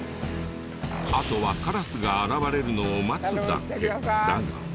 あとはカラスが現れるのを待つだけだが。